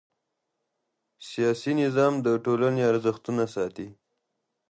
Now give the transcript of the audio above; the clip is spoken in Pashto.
سیاسي نظام د ټولنې ارزښتونه ساتي